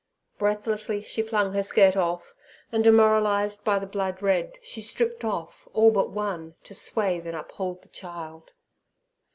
Breathlessly she flung her skirt off, and, demoralized by the blood red, she stripped off, all but one, to swathe and uphold the child.